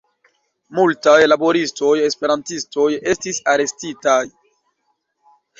Multaj laboristoj-esperantistoj estis arestitaj.